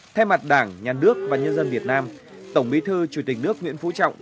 thay mặt đảng nhà nước và nhân dân việt nam tổng bí thư chủ tịch nước nguyễn phú trọng